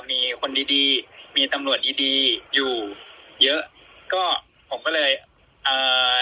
มีคนดีดีมีตำรวจดีดีอยู่เยอะก็ผมก็เลยเอ่อ